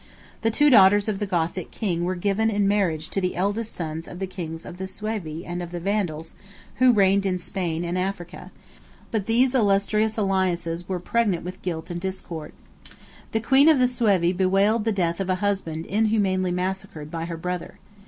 14 The two daughters of the Gothic king were given in marriage to the eldest sons of the kings of the Suevi and of the Vandals, who reigned in Spain and Africa: but these illustrious alliances were pregnant with guilt and discord. The queen of the Suevi bewailed the death of a husband inhumanly massacred by her brother.